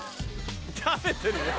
食べてるよ。